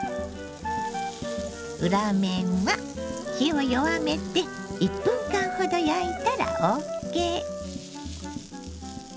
裏面は火を弱めて１分間ほど焼いたらＯＫ。